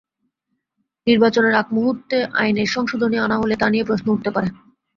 নির্বাচনের আগ মুহূর্তে আইনের সংশোধনী আনা হলে তা নিয়ে প্রশ্ন উঠতে পারে।